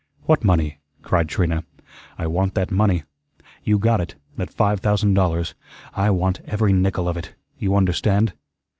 "What money?" cried Trina. "I want that money. You got it that five thousand dollars. I want every nickel of it! You understand?"